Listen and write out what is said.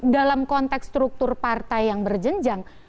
dalam konteks struktur partai yang berjenjang